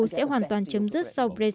sẽ hoàn toàn chấm dứt